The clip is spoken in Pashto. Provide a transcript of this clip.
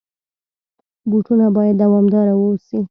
بوټونه باید دوامدار واوسي.